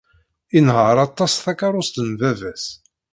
Inehheṛ aṭas takeṛṛust n baba-s.